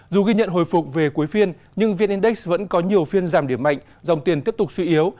dù ghi nhận hồi phục về cuối phiên nhưng vn index vẫn có nhiều phiên giảm điểm mạnh dòng tiền tiếp tục suy yếu